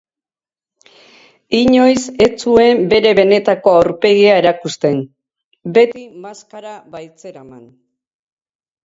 Inoiz ez zuen bere benetako aurpegia erakusten, beti maskara baitzeraman.